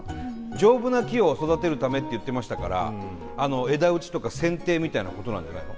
丈夫な木を育てるためって言ってましたから枝打ちとかせんていみたいなことなんじゃないの？